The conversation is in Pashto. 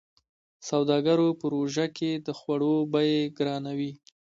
سوداګرو په روژه کې د خوړو بيې ګرانوي.